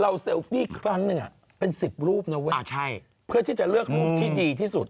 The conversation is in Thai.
เซลฟี่ครั้งหนึ่งเป็น๑๐รูปนะเว้ยเพื่อที่จะเลือกรูปที่ดีที่สุด